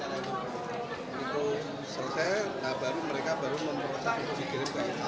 itu selesai nah baru mereka baru memeroksa untuk dikirim ke